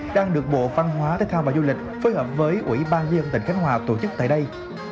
đang được bộ văn hóa thể thao và du lịch phối hợp với ủy ban dân tỉnh khánh hòa tổ chức tại đây